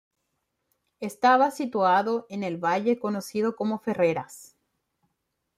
Estaba situado en el valle conocido como Ferreras.